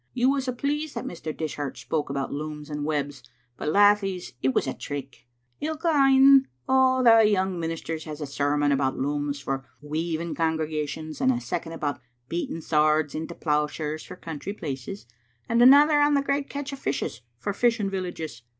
You was a' pleased that Mr. Dishart spoke about looms and webs, but, lathies, it was a trick. Ilka ane o' thae young ministers has a sermon about looms for weaving congregations, and a second about beating swords into ploughshares for country places, and another on the great catch of fishes for fishing villages.